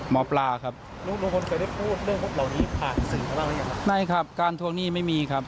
ไม่ครับการทวงหนี้ไม่มีครับ